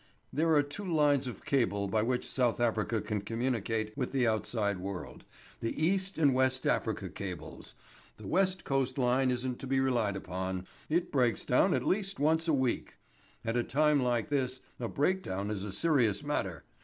"There are two lines of cable by which South Africa can communicate with the outside world the East and West Africa cables. The West Coast line isn't to be relied upon; it breaks down at least once a week. At a time like this a breakdown is a serious matter.